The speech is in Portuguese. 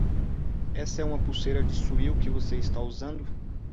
Essa é uma pulseira de swell que você está usando.